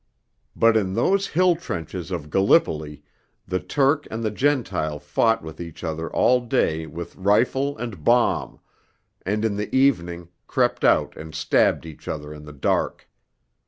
But in those hill trenches of Gallipoli the Turk and the Gentile fought with each other all day with rifle and bomb, and in the evening crept out and stabbed each other in the dark.